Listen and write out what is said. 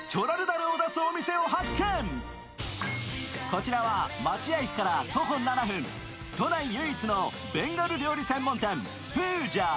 こちらは町屋駅から徒歩７分、都内唯一のベンガル料理専門店プージャー。